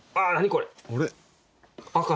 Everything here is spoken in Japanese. これ。